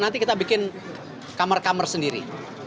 nanti kita bikin kamar kamar sendiri